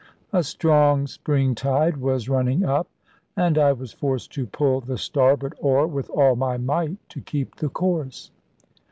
A strong spring tide was running up, and I was forced to pull the starboard oar with all my might to keep the course.